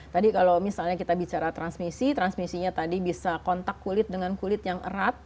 tadi kalau misalnya kita bicara transmisi transmisinya tadi bisa kontak kulit dengan kulit yang erat